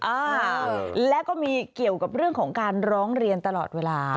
อ่าและก็มีเกี่ยวกับเรื่องของการร้องเรียนตลอดเวลา